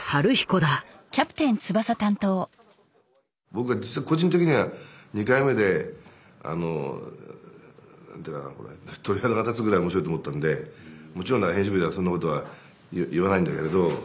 僕は実は個人的には２回目であの鳥肌が立つぐらい面白いと思ったんでもちろん編集部ではそんなことは言わないんだけれど。